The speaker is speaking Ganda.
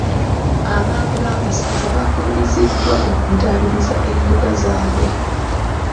Abaami b'amasaza baakubiriziddwa okuddaabiriza embuga zaabwe.